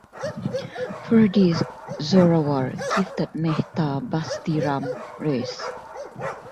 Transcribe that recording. For this Zorawar gifted Mehta Basti Ram Rs.